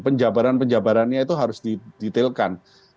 penjabaran penjabarannya itu harus didetailkan